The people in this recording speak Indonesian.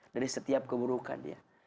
dari setiap keburukan ya